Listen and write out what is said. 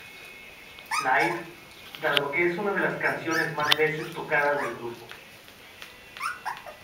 Live dado que es una de las canciones más veces tocadas del grupo.